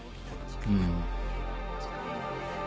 うん。